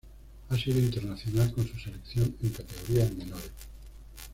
Ha sido internacional con su selección en categorías menores.